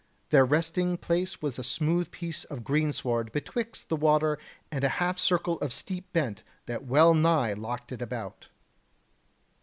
Their resting place was a smooth piece of greensward betwixt the water and a half circle of steep bent that well nigh locked it about.